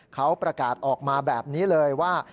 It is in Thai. เขาประกาศออกมาแบบนี้เลยว่า